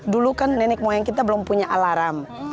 dulu kan nenek moyang kita belum punya alarm